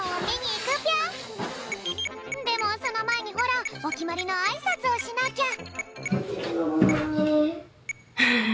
でもそのまえにほらおきまりのあいさつをしなきゃ。